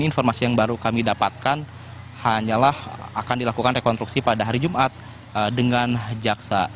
informasi yang baru kami dapatkan hanyalah akan dilakukan rekonstruksi pada hari jumat dengan jaksa